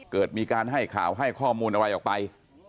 เกิดมีการให้ข่าวให้ข้อมูลอะไรออกไป